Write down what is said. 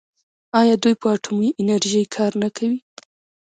آیا دوی په اټومي انرژۍ کار نه کوي؟